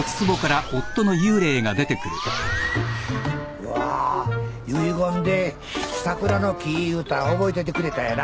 うわ遺言でサクラの木言うたん覚えててくれたんやな。